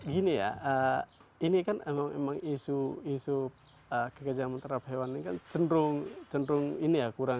gini ya ini kan emang emang isu isu kegajaran terhadap hewan ini kan cenderung ini ya